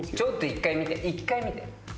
一回見て。